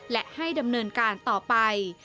และให้ดำเนินการต่อไป